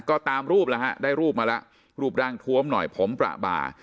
ก็ตามรูปแล้วฮะได้รูปมาแล้วรูปร่างทวมหน่อยผมประบา